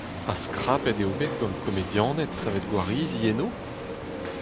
Ha skrapet eo bet gant komedianed savet gwarizi enno ?